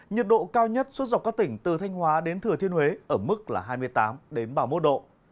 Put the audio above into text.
nhiệt độ cao nhất suốt dọc các tỉnh từ thanh hóa đến thừa thiên huế ở mức là hai mươi tám ba mươi một độ